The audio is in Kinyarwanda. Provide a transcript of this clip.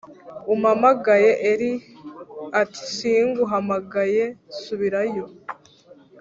umpamagaye Eli ati Singuhamagaye subira yo